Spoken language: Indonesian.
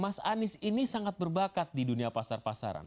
mas anies ini sangat berbakat di dunia pasar pasaran